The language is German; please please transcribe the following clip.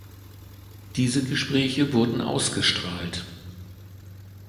Diese Gespräche wurden ausgestrahlt.